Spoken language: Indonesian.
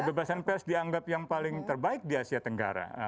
kebebasan pers dianggap yang paling terbaik di asia tenggara